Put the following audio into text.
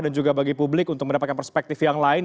dan juga bagi publik untuk mendapatkan perspektif yang lain